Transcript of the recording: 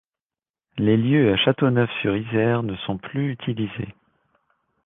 Les lieux à Chateauneuf sur Isere ne sont plus utilisés.